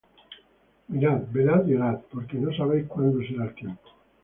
Mirad, velad y orad: porque no sabéis cuándo será el tiempo.